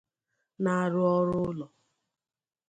na-arụ ọrụ ụlọ